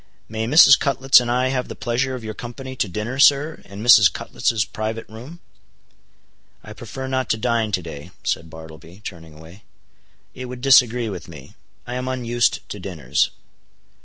May Mrs. Cutlets and I have the pleasure of your company to dinner, sir, in Mrs. Cutlets' private room?" "I prefer not to dine to day," said Bartleby, turning away. "It would disagree with me; I am unused to dinners."